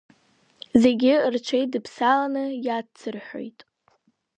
Зегьы рҽеидыԥсаланы иацырҳәоит.